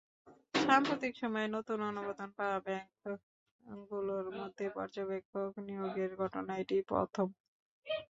সাম্প্রতিক সময়ে নতুন অনুমোদন পাওয়া ব্যাংকগুলোর মধ্যে পর্যবেক্ষক নিয়োগের ঘটনা এটিই প্রথম।